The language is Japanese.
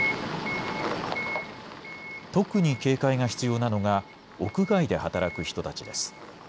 特に警戒が必要なのが、屋外で働く人たちです。